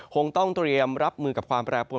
คงต้องเตรียมรับมือกับความแปรปวน